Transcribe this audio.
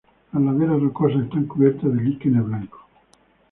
Las laderas rocosas están cubiertas de líquenes blancos.